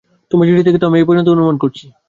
তোমার চিঠি থেকে তো আমি এই পর্যন্ত অনুমান করছি।